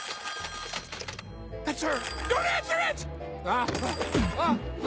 あっあっあ。